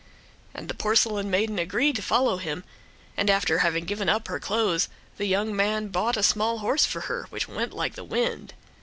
And the porcelain maiden agreed to follow him, and after having given up her clothes the young man bought a small horse for her which went like the wind.